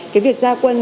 cái việc ra quân